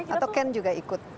atau ken juga ikut